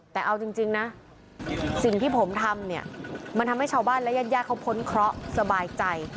แต่เอาจริงนะสิ่งที่ผมทำเนี่ยมันทำให้ชาวบ้านและญาติเขาพ้นเคราะห์สบายใจ